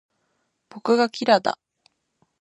僕がキラだ